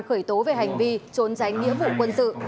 khởi tố về hành vi trốn tránh nghĩa vụ quân sự